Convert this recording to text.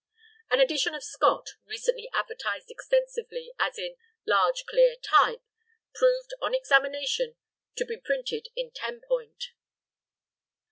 An edition of Scott, recently advertised extensively as in "large, clear type," proved on examination to be printed in ten point.